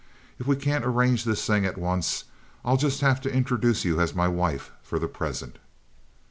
"If we can't arrange this thing at once I'll just have to introduce you as my wife for the present."